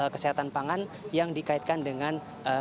kesehatan pangan yang dikaitkan dengan